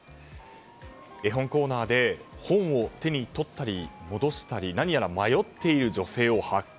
絵本コーナーで本を手に取ったり、戻したり何やら迷っている女性を発見。